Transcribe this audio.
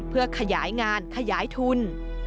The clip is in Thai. เพื่อขยายงานขยายทุน